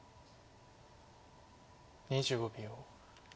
２５秒。